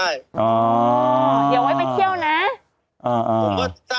เดี๋ยวไว้ไปเที่ยวนะ